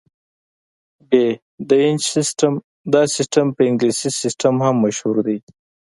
ب - د انچ سیسټم: دا سیسټم په انګلیسي سیسټم هم مشهور دی.